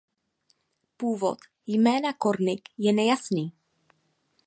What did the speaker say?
Původ jména Kornic je nejasný.